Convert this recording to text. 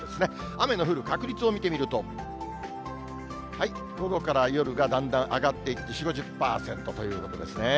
雨の降る確率を見てみると、午後から夜がだんだん上がっていって、４、５０％ということですね。